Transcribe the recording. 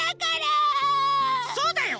そうだよ！